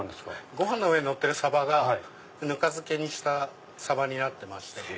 ご飯の上にのってるサバがぬか漬けにしたサバになってまして。